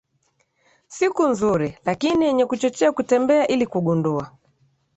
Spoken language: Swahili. siku nzuri lakini yenye kuchochea kutembea ili kugundua